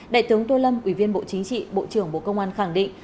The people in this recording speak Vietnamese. đại tướng tô lâm ủy viên bộ chính trị bộ trưởng bộ công an khẳng định